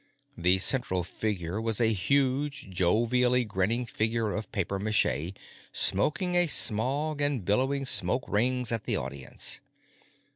The central figure was a huge, jovially grinning figure of papier mâché, smoking a Smog and billowing smoke rings at the audience.